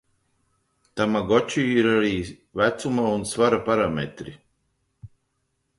Tamagoči ir arī vecuma un svara parametri.